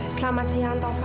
selamat siang taufan